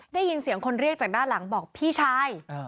ได้ยินเสียงคนเรียกจากด้านหลังบอกพี่ชาย